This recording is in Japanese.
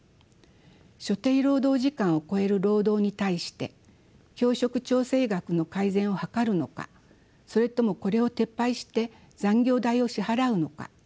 所定労働時間を超える労働に対して教職調整額の改善を図るのかそれともこれを撤廃して残業代を支払うのか。